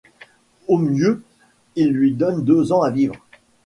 Au mieux il lui donne deux ans à vivre.